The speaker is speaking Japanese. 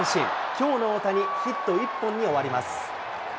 きょうの大谷、ヒット１本に終わります。